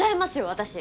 私。